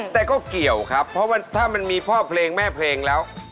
แต่ก็เกี่ยวครับเพราะว่าถ้ามันมีพ่อเพลงแม่เพลงแล้ว